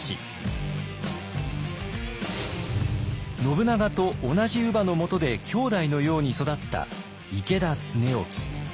信長と同じ乳母のもとで兄弟のように育った池田恒興。